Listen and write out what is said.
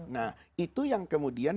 nah itu yang kemudian